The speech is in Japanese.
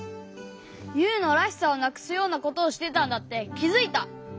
ユウの「らしさ」をなくすようなことをしてたんだってきづいた！